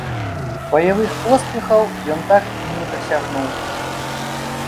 Баявых поспехаў ён так і не дасягнуў.